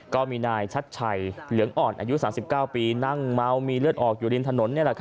ก็มีนายชัดชัยเหลืองอ่อนอายุ๓๙ปีนั่งเมามีเลือดออกอยู่ริมถนน